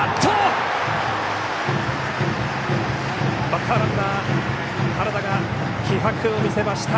バッターランナー、原田が気迫を見せました。